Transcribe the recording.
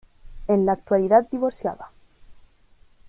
En la actualidad divorciada.